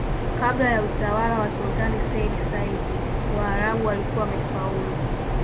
kabla ya utawala wa sulutani seyyid said Waarabu walikuwa wamefaulu